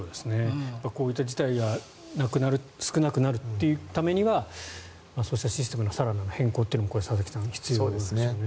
こういった事態がなくなる少なくなるためにはそうしたシステムの更なる変更というのもこれ、佐々木さん必要になりますね。